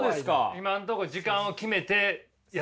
今んとこ時間を決めてやってる。